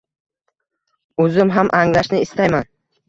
O‘zim ham anglashni istayman.